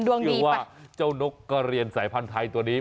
เชื่อว่าเจ้านกกระเรียนสายพันธุ์ไทยตัวนี้